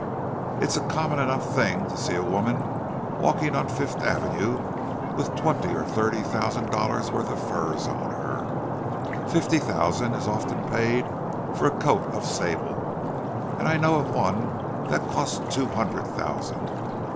It's a common enough thing to see a woman walking on Fifth Avenue with twenty or thirty thousand dollars' worth of furs on her. Fifty thousand is often paid for a coat of sable, and I know of one that cost two hundred thousand.